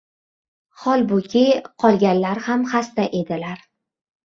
Holbuki, qolganlar ham xasta edilar.